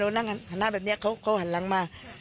นั่งหันหน้าแบบนี้เขาหันหลังมา